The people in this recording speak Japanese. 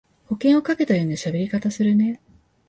保険をかけたようなしゃべり方するね